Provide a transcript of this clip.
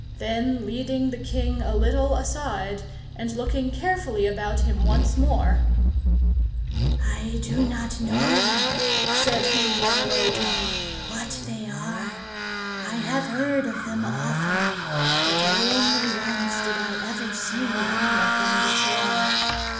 Then leading the king a little aside, and looking carefully about him once more, "I do not know," said he in a low tone, "what they are. I have heard of them often, but only once did I ever see any of them before.